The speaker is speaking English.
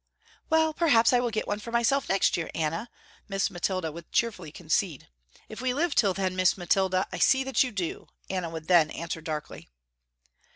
"Well, perhaps I will get one for myself next year, Anna," Miss Mathilda would cheerfully concede. "If we live till then Miss Mathilda, I see that you do," Anna would then answer darkly.